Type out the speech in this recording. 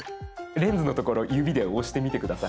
レンズのところ指で押してみて下さい。